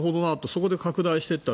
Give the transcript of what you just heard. そこで拡大していった。